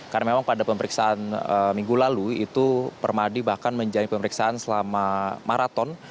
karena memang pada pemeriksaan minggu lalu itu permadi bahkan menjadi pemeriksaan selama maraton